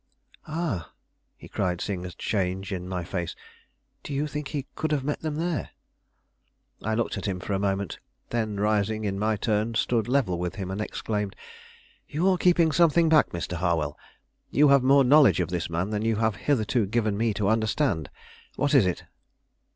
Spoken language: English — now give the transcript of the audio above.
Ah," he cried, seeing a change in my face, "do you think he could have met them there?" I looked at him for a moment, then, rising in my turn, stood level with him, and exclaimed: "You are keeping something back, Mr. Harwell; you have more knowledge of this man than you have hitherto given me to understand. What is it?"